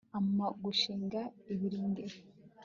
ampa gushinga ibirindiro